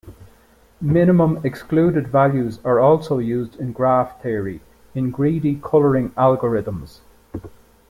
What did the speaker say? Minimum excluded values are also used in graph theory, in greedy coloring algorithms.